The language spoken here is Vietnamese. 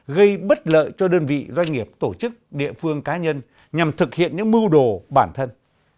gây bất lợi cho đơn vị doanh nghiệp tổ chức địa phương cá nhân nhằm thực hiện những mưu đồ bản thân